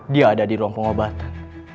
dia ada di ruang pengobatan